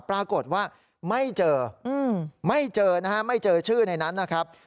ปรากฏว่าไม่เจอไม่เจอชื่อในนั้นนะครับ